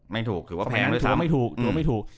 ไม่ถูกถือว่าไม่ถูก